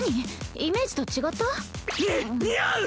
イメージと違った？に似合う！